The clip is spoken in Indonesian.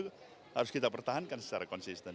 itu harus kita pertahankan secara konsisten